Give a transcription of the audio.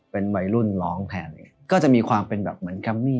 เป็นวัยรุ่นร้องแทนอย่างเงี้ยก็จะมีความเป็นแบบเหมือนกับนี่